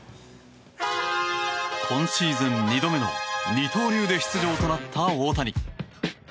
今シーズン２度目の二刀流で出場となった大谷。